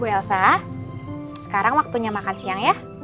bu elsa sekarang waktunya makan siang ya